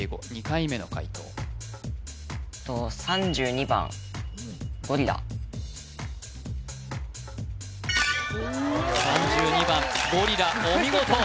２回目の解答３２番ゴリラお見事！